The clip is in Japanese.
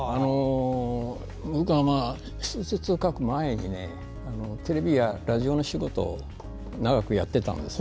僕は小説を書く前にテレビやラジオの仕事を長くやっていたんです。